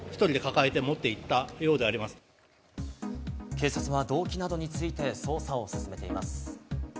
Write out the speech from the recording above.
警察は動機などについて捜査を進めています。